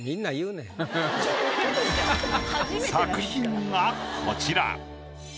作品がこちら。